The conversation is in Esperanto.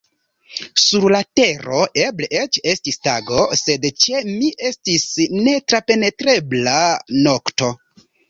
Sur la tero eble eĉ estis tago, sed ĉe mi estis netrapenetrebla nokto.